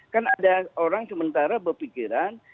kan ada orang sementara berpikiran